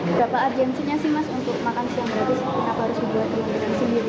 berapa agensinya sih mas untuk makan siang gratis